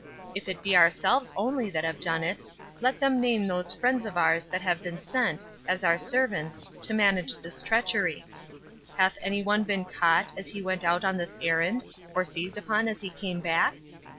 If it be ourselves only that have done it, let them name those friends of ours that have been sent, as our servants, to manage this treachery. Hath any one been caught as he went out on this errand, or seized upon as he came back?